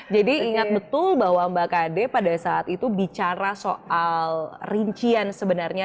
jadi ingat betul bahwa mbak kadhi pada saat itu bicara soal rincian sebenarnya